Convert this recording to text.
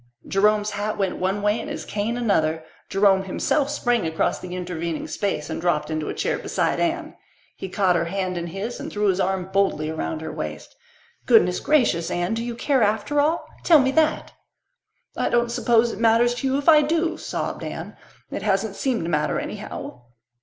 Jerome's hat went one way and his cane another. Jerome himself sprang across the intervening space and dropped into the chair beside Anne. He caught her hand in his and threw his arm boldly around her waist. "Goodness gracious, Anne! Do you care after all? Tell me that!" "I don't suppose it matters to you if I do," sobbed Anne. "It hasn't seemed to matter, anyhow."